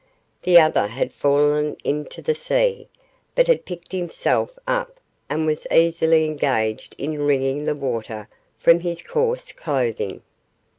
The other had fallen into the sea, but had picked himself up, and was busily engaged in wringing the water from his coarse clothing.